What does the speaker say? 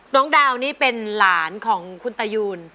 น้องดาวนี่เป็นหลานของคุณตายูน